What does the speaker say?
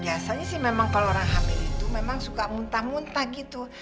biasanya sih memang kalau orang hamil itu memang suka muntah muntah gitu